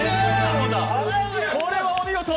これはお見事。